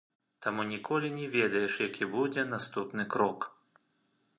Таму ніколі не ведаеш, які будзе наступны крок.